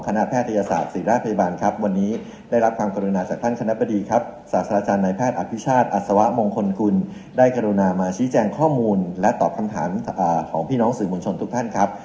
ครับวันนี้ได้รับความกรุณาจากท่านคณะประดีครับศาสตราจารย์นายแพทย์อภิษชาติอัศวะมงคลคุณได้กรุณามาชี้แจงข้อมูลและตอบคำถามอ่าของพี่น้องสื่อมนชนทุกท่านครับ